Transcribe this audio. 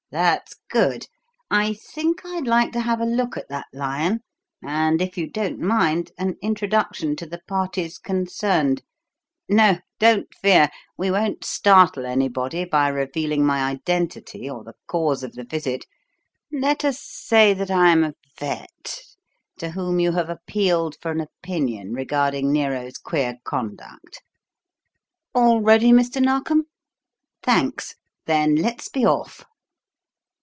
That's good. I think I'd like to have a look at that lion and, if you don't mind, an introduction to the parties concerned. No! don't fear; we won't startle anybody by revealing my identity or the cause of the visit. Let us say that I'm a vet, to whom you have appealed for an opinion, regarding Nero's queer conduct. All ready, Mr. Narkom? Thanks then let's be off."